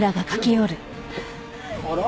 あら？